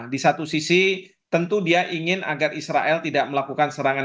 di satu sisi tentu dia ingin agar israel tidak melakukan serangan